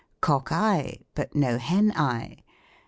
Cock eye, but no Hen eye.